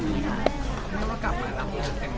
ไม่ว่ากลับมาหลับเรือเต็มตัว